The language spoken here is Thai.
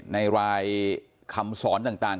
ในรายคำสอนต่าง